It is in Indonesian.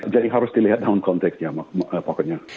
jadi harus dilihat dalam konteksnya pokoknya